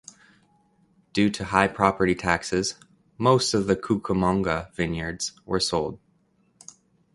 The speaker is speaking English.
Due to high property taxes most of the Cucamonga vineyards were sold.